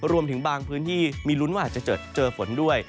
รวมถึงบางพื้นที่มีลุ้นว่าอาจจะเจอฝนด้วย